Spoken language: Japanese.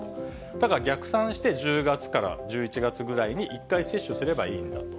ただ逆算して、１０月から１１月ぐらいに１回接種すればいいんだと。